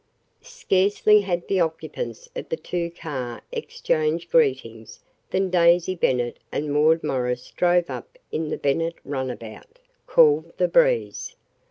Scarcely had the occupants of the two car exchanged greetings than Daisy Bennet and Maud Morris drove up in the Bennet runabout, called the Breeze.